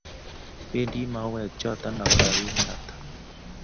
bendi mauwek choto ago robinik hata?